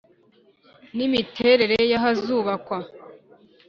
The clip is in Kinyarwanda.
n imiterere y ahazubakwa